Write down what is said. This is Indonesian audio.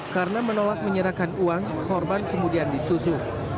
karena menolak menyerahkan uang korban kemudian ditusuk